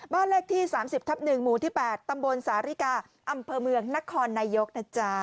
บ้านเลขที่๓๐ทับ๑หมู่ที่๘ตำบลสาริกาอำเภอเมืองนครนายกนะจ๊ะ